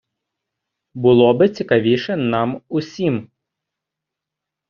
Було би цікавіше нам усім.